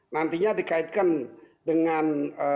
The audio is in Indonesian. nantinya dikaitkan dengan